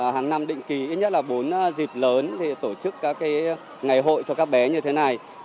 hàng năm định kỳ ít nhất là bốn dịp lớn tổ chức các ngày hội cho các bé như thế này